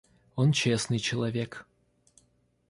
Он честный человек.